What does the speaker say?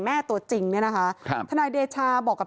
ตัวจริงเนี่ยนะคะครับทนายเดชาบอกกับ